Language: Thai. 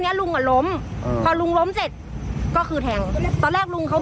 ลุงอ่ะล้มอืมพอลุงล้มเสร็จก็คือแทงตอนแรกลุงเขา